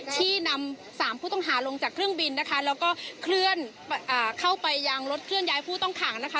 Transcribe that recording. ที่นำสามผู้ต้องหาลงจากเครื่องบินนะคะแล้วก็เคลื่อนเข้าไปยังรถเคลื่อนย้ายผู้ต้องขังนะคะ